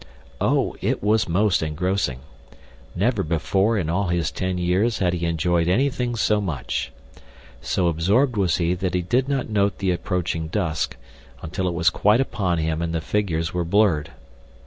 Oh, it was most engrossing! Never before in all his ten years had he enjoyed anything so much. So absorbed was he that he did not note the approaching dusk, until it was quite upon him and the figures were blurred.